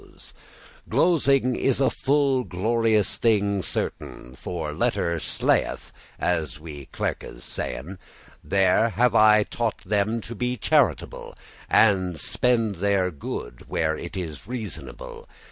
* *gloss, comment Glosing is a full glorious thing certain, For letter slayeth, as we clerkes* sayn. *scholars There have I taught them to be charitable, And spend their good where it is reasonable.